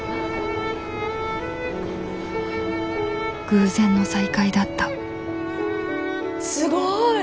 偶然の再会だったすごい！